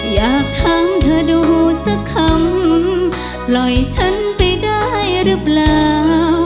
อยากถามเธอดูสักคำปล่อยฉันไปได้หรือเปล่า